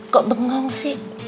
kok bengong sih